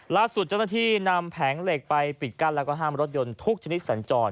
ล่าสุดเจ้าหน้าที่นำแผงเหล็กไปปิดกั้นแล้วก็ห้ามรถยนต์ทุกชนิดสัญจร